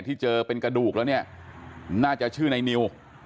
ที่เจอเป็นกระดูกแล้วเนี่ยน่าจะชื่อในนิว